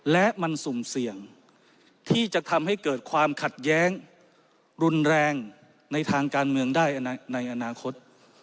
และมันสุ่มเสี่ยงที่จะทำให้เกิดความขัดแย้งรุนแรงในทางการเมืองได้ในอนาคต